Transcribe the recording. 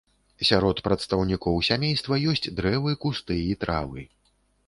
Сярод прадстаўнікоў сямейства ёсць дрэвы, кусты і травы.